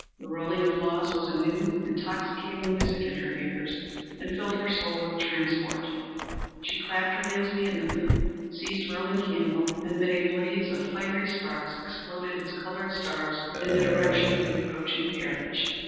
The rolling applause was a new, intoxicating music in her ears, and filled her soul with transport. She clapped her hands vehemently; seized a roman candle, and amid a blaze of fiery sparks exploded its colored stars in the direction of the approaching carriage.